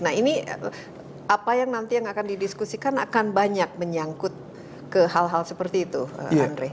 nah ini apa yang nanti yang akan didiskusikan akan banyak menyangkut ke hal hal seperti itu andre